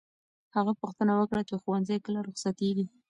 هغه پوښتنه وکړه چې ښوونځی کله رخصتېږي.